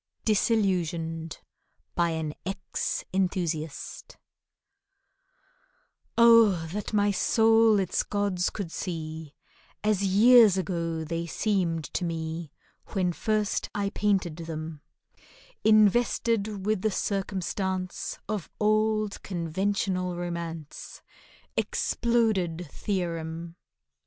DISILLUSIONED BY AN EX ENTHUSIAST OH, that my soul its gods could see As years ago they seemed to me When first I painted them; Invested with the circumstance Of old conventional romance: Exploded theorem!